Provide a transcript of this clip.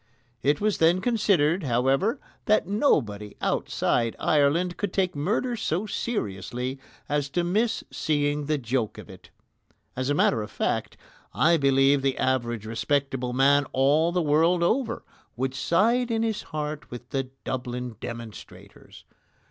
It was then considered, however, that nobody outside Ireland could take murder so seriously as to miss seeing the joke of it. As a matter of fact, I believe the average respectable man all the world over would side in his heart with the Dublin demonstrators.